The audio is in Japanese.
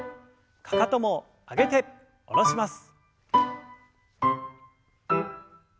かかとも上げて下ろします。